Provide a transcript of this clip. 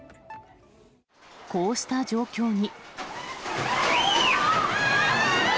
こうした状況に。